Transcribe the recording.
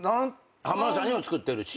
浜田さんにも作ってるし。